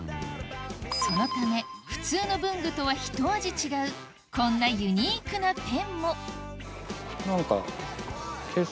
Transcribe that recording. そのため普通の文具とはひと味違うこんなユニークなペンも何か。